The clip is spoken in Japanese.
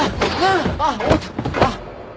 あっ！